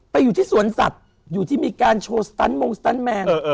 อยู่ที่สวนสัตว์อยู่ที่มีการโชว์สตันมงสตันแมน